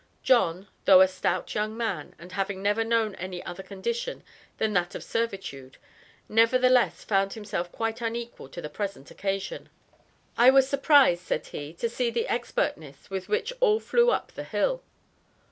John, though a stout young man, and having never known any other condition than that of servitude, nevertheless found himself quite unequal to the present occasion. "I was surprised," said he, "to see the expertness with which all flew up the hill."